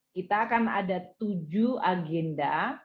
kita akan ada tujuh agenda